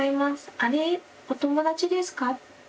あれお友達ですか？」